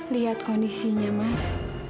lihat kondisinya mas